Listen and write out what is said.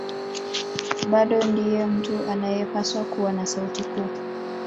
Bado ndiye mtu anayepaswa kuwa na sauti kuu